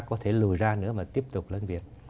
có thể lùi ra nữa mà tiếp tục lấn biển